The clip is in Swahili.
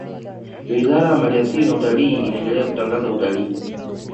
wizara ya mali asili na utalii inaendelea kutangaza utalii